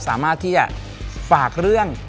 สามารถที่จะฝากเรื่อง